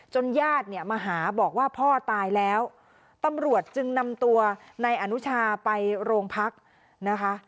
ญาติเนี่ยมาหาบอกว่าพ่อตายแล้วตำรวจจึงนำตัวนายอนุชาไปโรงพักนะคะ